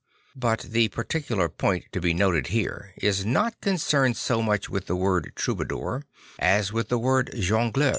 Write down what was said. But the particular point to be noted here is not concerned so much with the word Troubadour Le Jongleur de Dieu 77 as with the \vord Jongleur.